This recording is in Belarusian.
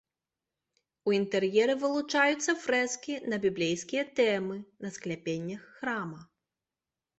У інтэр'еры вылучаюцца фрэскі на біблейскія тэмы на скляпеннях храма.